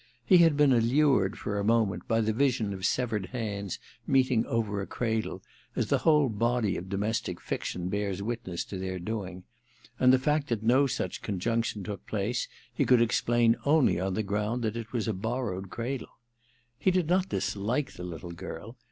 He had been allured, for a moment, by the vision of severed hands meeting over a cradle, as the whole body of domestic fiction bears witness to their doing ; and the fact that no such conjunction took place he could explain only on the ground that it was a borrowed cradle. He did not dislike the little girl.